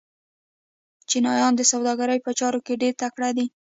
چینایان د سوداګرۍ په چارو کې ډېر تکړه دي.